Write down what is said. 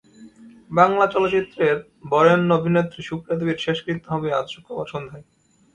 বাংলা চলচ্চিত্রের বরেণ্য অভিনেত্রী সুপ্রিয়া দেবীর শেষকৃত্য হবে আজ শুক্রবার সন্ধ্যায়।